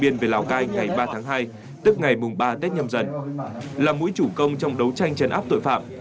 ngày ba tháng hai tức ngày mùng ba tết nhâm dần là mũi chủ công trong đấu tranh chấn áp tội phạm